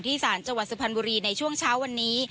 สารจังหวัดสุพรรณบุรีในช่วงเช้าวันนี้